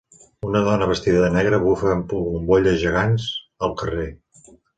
Una dona vestida de negre bufa bombolles gegants al carrer.